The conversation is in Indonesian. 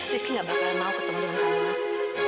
rizky nggak bakal mau ketemu dengan kamu mas